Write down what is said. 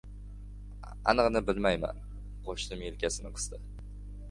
— Anig‘ini bilmayman, — qo‘shnim yelkasini qisdi.